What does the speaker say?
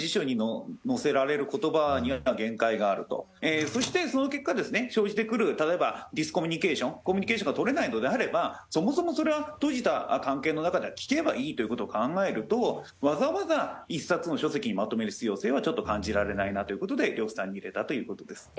辞書に特にそしてその結果ですね生じてくる例えばディスコミュニケーションコミュニケーションがとれないのであればそもそもそれは閉じた関係の中では聞けばいいという事を考えるとわざわざ一冊の書籍にまとめる必要性はちょっと感じられないなという事で呂布さんに入れたという事です。